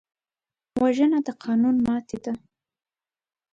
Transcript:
وژنه د قانون ماتې ده